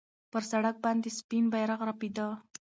پر سړک باندې سپین بیرغ رپېده.